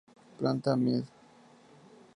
Planta Med.